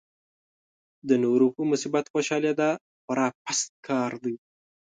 د نورو په مصیبت خوشالېدا خورا پست کار دی.